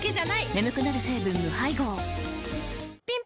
眠くなる成分無配合ぴん